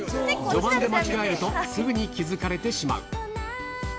序盤で間違えると、すぐに気付かれてしまう。